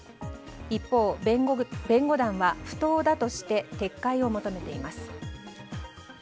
一方、弁護団は不当だとして撤回を求めています。